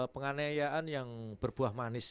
penganeaan yang berbuah manis